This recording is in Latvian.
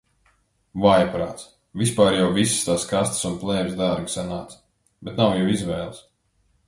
Vājprāts. Vispār jau visas tās kastes un plēves dārgi sanāca, bet nav jau izvēles.